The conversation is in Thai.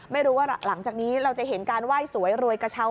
ไม่รู้ว่าหลังจากนี้เราจะเห็นการไหว้สวยรวยกระเช้า